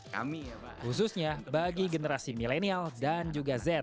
kami khususnya bagi generasi milenial dan juga z